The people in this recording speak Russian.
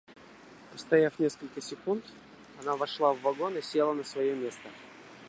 Постояв несколько секунд, она вошла в вагон и села на свое место.